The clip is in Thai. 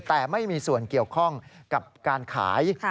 แต่ไม่มีส่วนเกี่ยวข้องกับการขาย